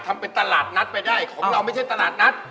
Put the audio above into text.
ทำเป็นตลาดนัดไปได้ของเราไม่ใช่ตลาดนัด